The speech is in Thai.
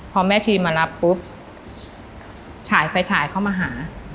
พอแม่ทีมมารับปุ๊บฉายไฟฉายเข้ามาหา